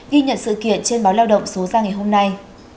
ghi nhận sự kiện trên báo lao động số ra ngày hôm nay